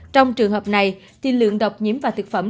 trong trường hợp này thì lượng độc nhiễm và thực phẩm